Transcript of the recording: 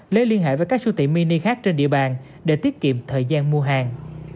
lấy liên hệ với các sưu thị mini khác trên địa bàn để tiết kiệm thời gian mua hàng